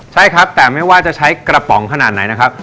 ใช่ครับแต่ไม่ว่าจะใช้กระป๋องขนาดไหนนะครับ